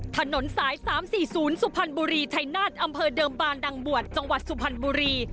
ถนนสาย๓๔๐สุพรรณบุรีชัยนาฏอำเภอเดิมบานดังบวชจังหวัดสุพรรณบุรี